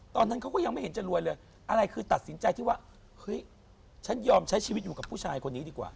ตอนนั้นเขาก็ยังไม่เห็นจะรวยเลยอะไรคือตัดสินใจที่ว่าเฮ้ยฉันยอมใช้ชีวิตอยู่กับผู้ชายคนนี้ดีกว่า